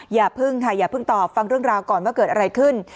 อย่าพึ่งค่ะอย่าเพิ่งตอบฟังเรื่องราวก่อนว่าเกิดอะไรขึ้น